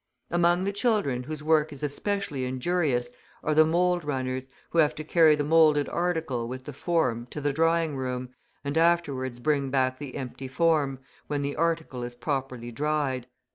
Among the children whose work is especially injurious are the mould runners, who have to carry the moulded article with the form to the drying room, and afterwards bring back the empty form, when the article is properly dried.